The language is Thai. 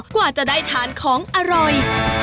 กว่าจะได้ทานของอร่อย